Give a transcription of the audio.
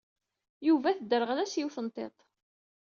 Yuba tedderɣel-as yiwet n tiṭ.